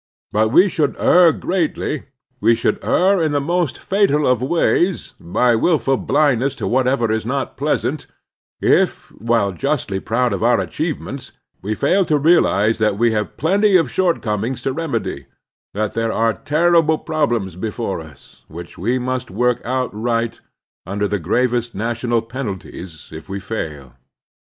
But we should err greatly, we should err in the most fatal of ways, by wilful blindness to what ever is not pleasant, if, while justly proud of our achievements, we failed to realize that we have plenty of shortcomings to remedy, that there are terrible problems before us, which we must work out right, under the gravest national penalties if we fail.